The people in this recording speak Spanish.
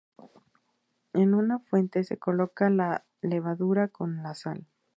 En una fuente se coloca la levadura con la sal.